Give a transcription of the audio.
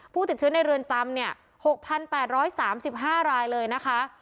ผู้ติดเชื้อในเรือนจำเนี่ย๖๘๓๕รายเลยนะคะ